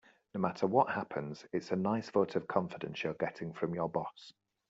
No matter what happens, it's a nice vote of confidence you're getting from your boss.